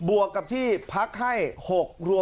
อาทิตย์๒๕อาทิตย์